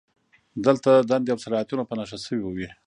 دلته دندې او صلاحیتونه په نښه شوي وي.